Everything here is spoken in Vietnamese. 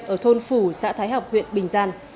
ở thôn phủ xã thái học huyện bình giang